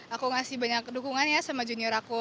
aku ngasih banyak dukungan ya sama junior aku